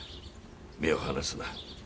目を離すな。